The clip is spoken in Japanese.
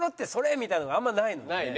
みたいなのがあんまりないのよね。